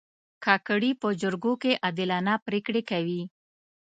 کاکړي په جرګو کې عادلانه پرېکړې کوي.